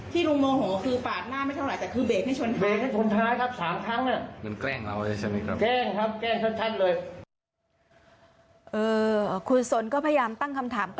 ที่ลุงโมโหคือปากหน้าไม่เท่าไหร่แต่คือเบรกให้ทนท้าย